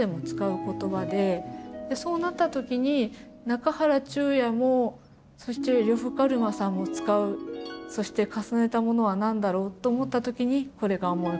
そうなった時に中原中也もそして呂布カルマさんも使うそして重ねたものは何だろうと思った時にこれが思い浮かびました。